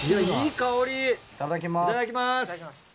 いただきます。